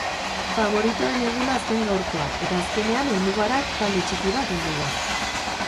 Faboritoen eguna zen gaurkoa eta azkenean helmugara talde txiki bat heldu da.